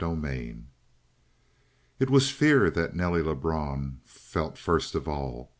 36 It was fear that Nelly Lebrun felt first of all.